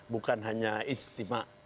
bukan hanya istimewa